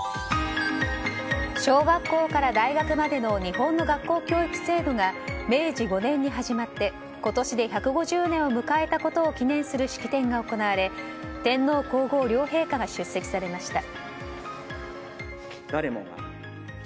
小学校から大学までの日本の学校教育制度が明治５年に始まって今年で１５０年を迎えたことを記念する式典が行われ天皇・皇后両陛下が出席されました。